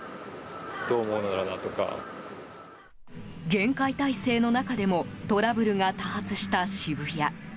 厳戒態勢の中でもトラブルが多発した渋谷。